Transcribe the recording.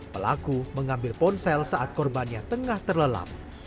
pelaku mengambil ponsel saat korbannya tengah terlelap